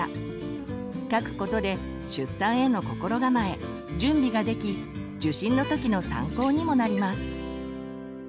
書くことで出産への心構え準備ができ受診の時の参考にもなります。